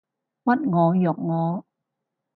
屈我辱我